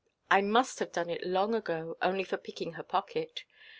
I must have done it long ago, only for picking her pocket.